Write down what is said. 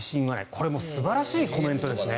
これも素晴らしいコメントですね。